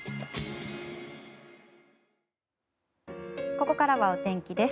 ここからはお天気です。